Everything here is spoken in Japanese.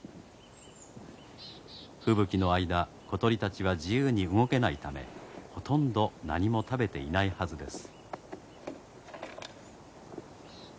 吹雪の間小鳥たちは自由に動けないためほとんど何も食べていないはずです。